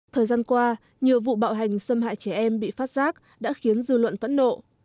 thời gian qua nhiều vụ bạo hành xâm hại trẻ em bị phát giác đã khiến dư luận phẫn nộ